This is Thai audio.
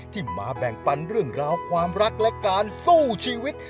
ที่มาแบ่งปันเรื่องราวความรักและการสู้ชีวิต